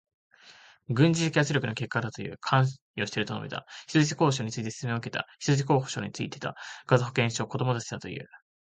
軍事的圧力の結果だという。関与していると述べた。人質交渉について説明を受けた。人質交渉についてた。ガザ保健省、子どもたちだという。